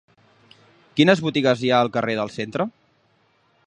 Quines botigues hi ha al carrer del Centre?